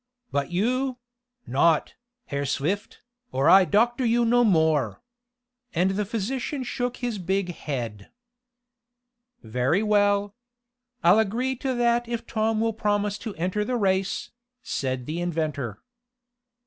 But you not, Herr Swift, or I doctor you no more." And the physician shook his big head. "Very well. I'll agree to that if Tom will promise to enter the race," said the inventor.